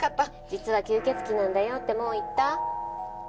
実は吸血鬼なんだよってもう言った？